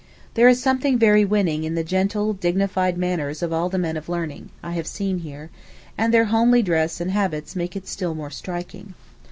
There is something very winning in the gentle, dignified manners of all the men of learning I have seen here, and their homely dress and habits make it still more striking.